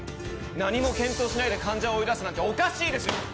何も検討しないで患者を追い出すなんておかしいでしょ！